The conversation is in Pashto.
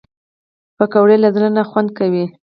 پکورې له زړه نه خوند کوي